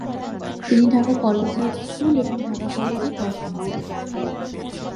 তিনি Dhaka collegiate school এবং Dhaka college এ পড়াশোনা করেন।